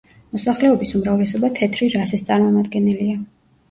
მოსახლეობის უმრავლესობა თეთრი რასის წარმომადგენელია.